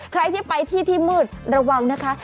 ใครที่ไปที่ที่มืดระวังนะคะ